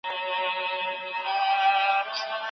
اقتصادي پریکړې د منابعو محدودیتونه په نظر کې نیسي.